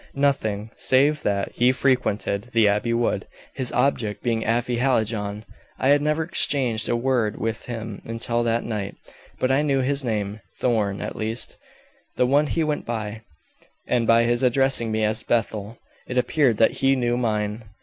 "Nothing, save that he frequented the Abbey Wood, his object being Afy Hallijohn. I had never exchanged a word with him until that night; but I knew his name, Thorn at least, the one he went by, and by his addressing me as Bethel, it appeared that he knew mine."